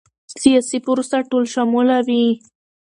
سیاسي پروسه ټولشموله وي